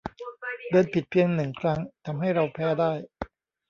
เดินผิดเพียงหนึ่งครั้งทำให้เราแพ้ได้